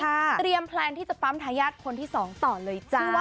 เตรียมแพลนที่จะปั๊มทายาทคนที่สองต่อเลยจ้า